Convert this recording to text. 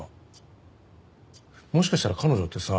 もしかしたら彼女ってさ